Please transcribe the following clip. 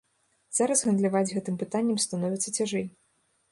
Зараз гандляваць гэтым пытаннем становіцца цяжэй.